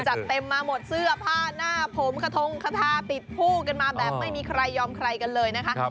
จัดเต็มมาหมดเสื้อผ้าหน้าผมกระทงคาทาติดคู่กันมาแบบไม่มีใครยอมใครกันเลยนะคะ